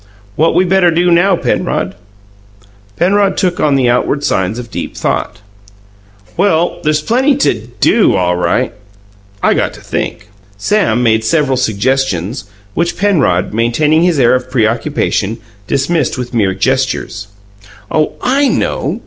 "What we better do now, Penrod?" Penrod took on the outward signs of deep thought. "Well, there's plenty to DO, all right. I got to think." Sam made several suggestions, which Penrod maintaining his air of preoccupation dismissed with mere gestures. "Oh, I know!"